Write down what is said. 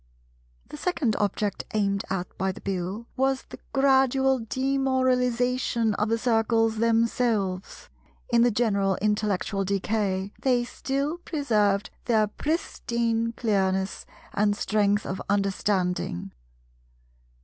The second object aimed at by the Bill was the gradual demoralization of the Circles themselves. In the general intellectual decay they still preserved their pristine clearness and strength of understanding.